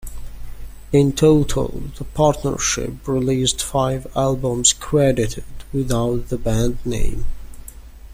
In total, the partnership released five albums credited without the band name.